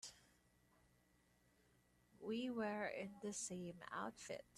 We were in the same outfit.